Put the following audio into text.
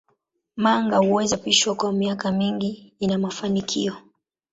Manga huweza kuchapishwa kwa miaka mingi kama ina mafanikio.